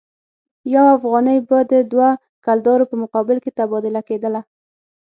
یو افغانۍ به د دوه کلدارو په مقابل کې تبادله کېدله.